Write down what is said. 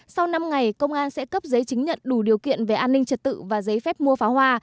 sau năm ngày công an sẽ cấp giấy chứng nhận đủ điều kiện về an ninh trật tự và giấy phép mua pháo hoa